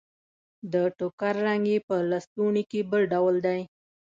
د ټوکر رنګ يې په لستوڼي کې بل ډول دی.